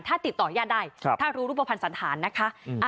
ถ้าติดต่อยาดได้ถ้ารู้รูปภัณฑ์สันธารนะคะ